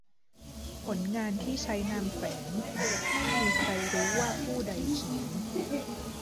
ผลงานที่ใช้นามแฝง : ไม่มีใครรู้ว่าผู้ใดเขียน